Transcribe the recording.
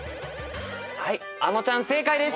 あのちゃん正解です。